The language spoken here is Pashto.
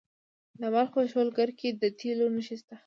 د بلخ په شولګره کې د تیلو نښې شته.